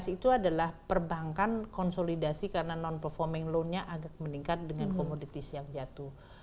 dua ribu lima belas enam belas itu adalah perbankan konsolidasi karena non performing loan nya agak meningkat dengan commodities yang jatuh